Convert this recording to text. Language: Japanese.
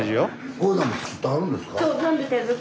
こういうなんも作ってはるんですか？